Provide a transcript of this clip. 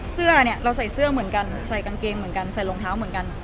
เสื้อเนี่ยเราใส่เสื้อเหมือนกันใส่กางเกงเหมือนกันใส่รองเท้าเหมือนกัน